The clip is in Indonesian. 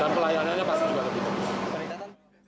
dan pelayanannya pasti juga lebih bagus